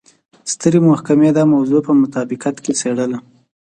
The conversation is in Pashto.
سترې محکمې دا موضوع په مطابقت کې څېړله.